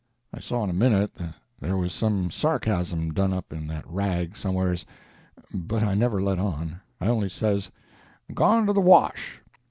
I saw in a minute that there was some sarcasm done up in that rag somewheres, but I never let on. I only says,— "Gone to the wash."